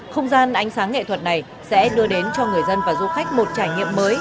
không gian ánh sáng nghệ thuật này sẽ đưa đến cho người dân và du khách một trải nghiệm mới